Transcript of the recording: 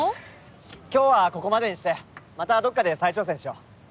今日はここまでにしてまたどこかで再挑戦しよう。